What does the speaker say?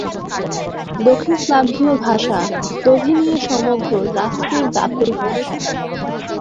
দক্ষিণ স্লাভীয় ভাষা স্লোভেনীয় সমগ্র রাষ্ট্রের দাপ্তরিক ভাষা।